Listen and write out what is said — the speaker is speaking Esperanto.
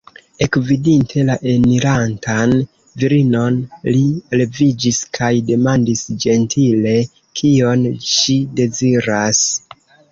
Ekvidinte la enirantan virinon, li leviĝis kaj demandis ĝentile, kion ŝi deziras.